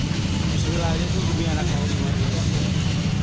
sebelah aja itu demi anak saya